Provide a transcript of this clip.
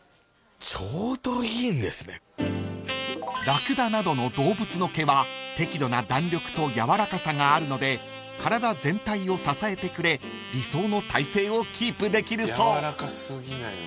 ［ラクダなどの動物の毛は適度な弾力と柔らかさがあるので体全体を支えてくれ理想の体勢をキープできるそう］